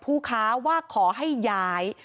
ผู้คะว่าให้ย้าย